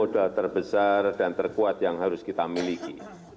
modal terbesar dan terkuat yang harus kita miliki